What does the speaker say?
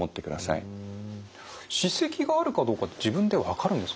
歯石があるかどうかって自分で分かるんですかね？